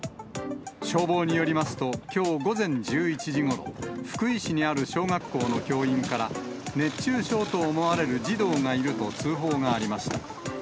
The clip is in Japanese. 消防によりますと、きょう午前１１時ごろ、福井市にある小学校の教員から、熱中症と思われる児童がいると通報がありました。